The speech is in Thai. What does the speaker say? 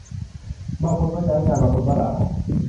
บางคนก็ย้ายงาน บางคนก็ลาออก